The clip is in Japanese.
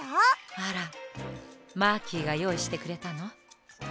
あらマーキーがよういしてくれたの？